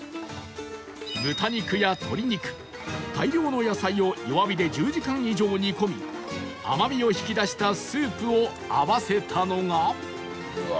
豚肉や鶏肉大量の野菜を弱火で１０時間以上煮込み甘みを引き出したスープを合わせたのが